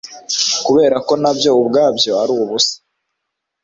kubera ko na byo ubwabyo ari ubusa